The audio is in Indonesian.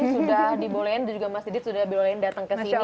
sudah dibolehin dan juga mas didit sudah dibolehin datang ke sini